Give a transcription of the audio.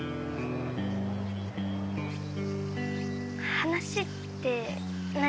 話って何？